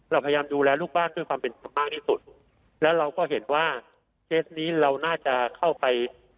เราพยายามดูแลลูกบ้านด้วยความเป็นธรรมมากที่สุดแล้วเราก็เห็นว่าเคสนี้เราน่าจะเข้าไป